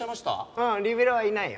ううんリベロウはいないよ。